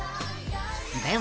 ［では